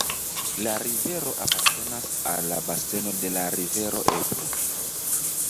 La rivero apartenas al la baseno de la rivero Ebro.